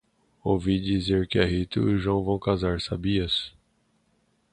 Ouvi dizer que a Rita e o João vão casar. Sabias?